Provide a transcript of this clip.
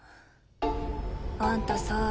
あんたさ